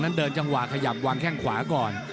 เดินจังหวะขยับวางแข้งขวาก่อน